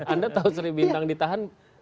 anda tahu sri bintang ditahan